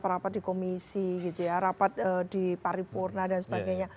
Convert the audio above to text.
rapat di komisi rapat di paripurna dan sebagainya